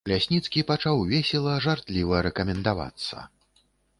Лясніцкі пачаў весела, жартліва рэкамендавацца.